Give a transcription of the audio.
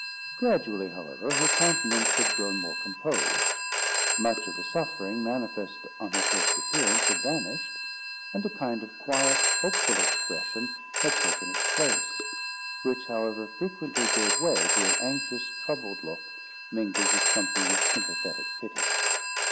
Gradually, however, her countenance had grown more composed; much of the suffering manifest on her first appearance had vanished, and a kind of quiet, hopeful expression had taken its place; which, however, frequently gave way to an anxious, troubled look, mingled with something of sympathetic pity.